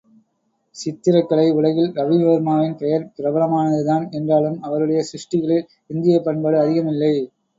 சித்திரக் கலை உலகில் ரவிவர்மாவின் பெயர் பிரபலமானதுதான் என்றாலும் அவருடைய சிருஷ்டிகளில் இந்தியப் பண்பாடு அதிகம் இல்லை.